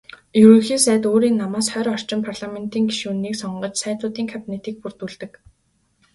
Ерөнхий сайд өөрийн намаас хорь орчим парламентын гишүүнийг сонгож "Сайдуудын кабинет"-ийг бүрдүүлдэг.